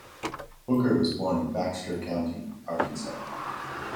Booker was born in Baxter County, Arkansas.